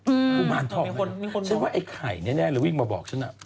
อือมีคนมีคนมีคนฉันว่าไอ้ไข่แน่เลยวิ่งมาบอกฉันน่ะ